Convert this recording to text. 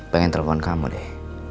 pengen telepon kamu deh